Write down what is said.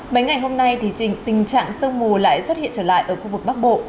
mấy ngày hôm nay thì tình trạng sương mù lại xuất hiện trở lại ở khu vực bắc bộ